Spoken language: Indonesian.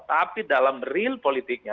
tapi dalam real politiknya